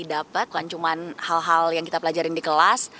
dapat kan cuma hal hal yang kita pelajarin di kelas